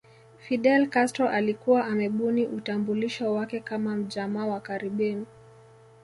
Fidel Castro alikuwa amebuni utambulisho wake kama mjamaa wa Caribbean